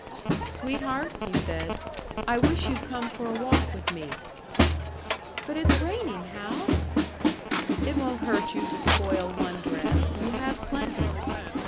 "Sweetheart," he said, "I wish you'd come for a walk with me." "But it's raining, Hal!" "It won't hurt you to spoil one dress; you have plenty."